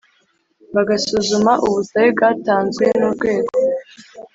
Bugasuzuma ubusabe bwatanzwe n urwego